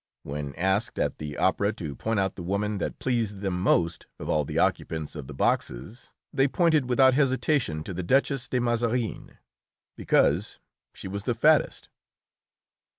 When asked at the opera to point out the woman that pleased them most of all the occupants of the boxes, they pointed without hesitation to the Duchess de Mazarin because she was the fattest.